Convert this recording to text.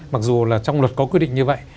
mặc dù là trong luật có quy định như vậy